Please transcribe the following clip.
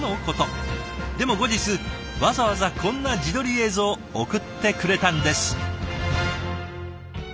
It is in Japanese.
でも後日わざわざこんな自撮り映像送ってくれたんです。